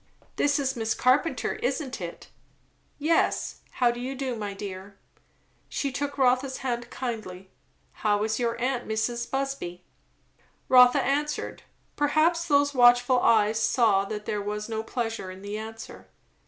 "This is Miss Carpenter, isn't it? yes. How do you do, my dear." She took Rotha's hand kindly. "How is your aunt, Mrs. Busby?" Rotha answered. Perhaps those watchful eyes saw that there was no pleasure in the answer.